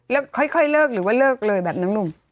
แล้วค่อยเลิกหรือว่าเลิกเลยแบบน้องหนุ่ม